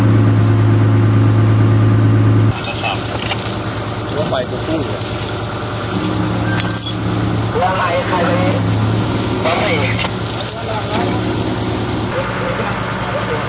นั่นแหละเขาเรียกรถ